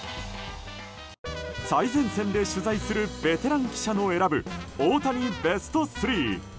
最前線で取材するベテラン記者の選ぶ大谷ベスト３。